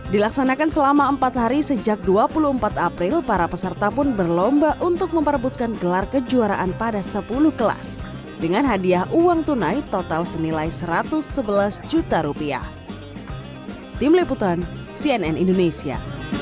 dilaksanakan selama empat hari sejak dua puluh empat april para peserta pun berlomba untuk memperebutkan gelar kejuaraan pada sepuluh kelas dengan hadiah uang tunai total senilai satu ratus sebelas juta rupiah